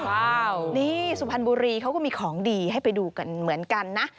ว้าวนี่สุพรรณบุรีเขาก็มีของดีให้ไปดูกันเหมือนกันนะ